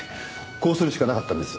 こうするしかなかったんです。